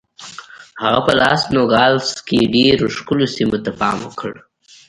هغه په لاس نوګالس کې ډېرو ښکلو سیمو ته پام وکړ.